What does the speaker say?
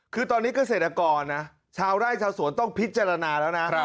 คือตอนนี้เกษตรกรนะชาวไร่ชาวสวนต้องพิจารณาแล้วนะ